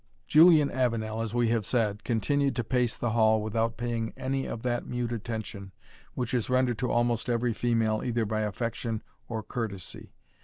Julian Avenel, as we have said, continued to pace the hall without paying any of that mute attention which is rendered to almost every female either by affection or courtesy.